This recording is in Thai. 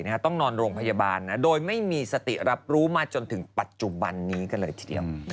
ต้องนอนโรงพยาบาลโดยไม่มีสติรับรู้มาจนถึงปัจจุบันนี้กันเลยทีเดียว